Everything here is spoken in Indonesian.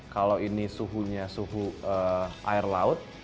kalau ini suhunya suhu air laut